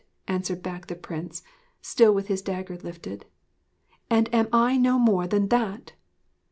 answered back the Prince, still with his dagger lifted; 'and am I no more than that?'